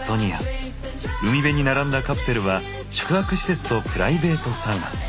海辺に並んだカプセルは宿泊施設とプライベートサウナ。